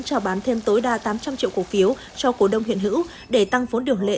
trả bán thêm tối đa tám trăm linh triệu cổ phiếu cho cổ đông hiện hữu để tăng vốn điều lệ